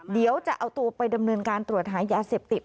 เดี๋ยวจะเอาตัวไปดำเนินการตรวจหายาเสพติด